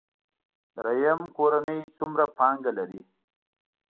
دریم کورنۍ څومره پانګه لري.